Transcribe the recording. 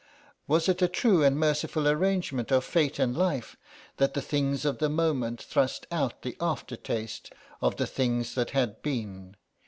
Was it a true and merciful arrangement of fate and life that the things of the moment thrust out the after taste of the things that had been?